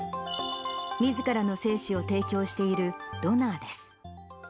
みずからの精子を提供しているドナーです。